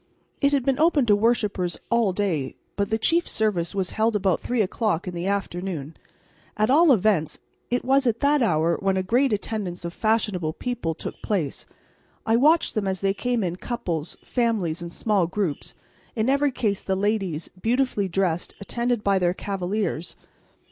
It had been open to worshippers all day, but the chief service was held about three o'clock in the afternoon; at all events it was at that hour when a great attendance of fashionable people took place. I watched them as they came in couples, families and small groups, in every case the ladies, beautifully dressed, attended by their cavaliers.